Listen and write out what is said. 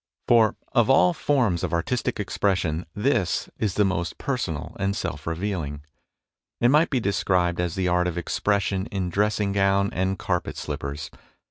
For of all forms of artistic expression, this is the most personal and self revealing. It might be described as the art of expression in dressing gown and carpet slippers.